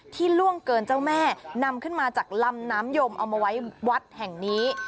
ล่วงเกินเจ้าแม่นำขึ้นมาจากลำน้ำยมเอามาไว้วัดแห่งนี้